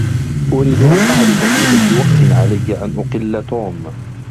أريد أن أعرف في أي وقت علي أن أقلّ توم.